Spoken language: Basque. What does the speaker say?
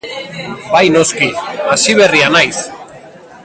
Bai noski, hasiberria naiz.